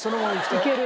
いける。